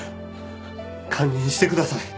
堪忍してください。